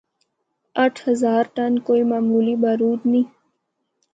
اٹھ ہزار ٹن کوئی معمولی بارود نیں۔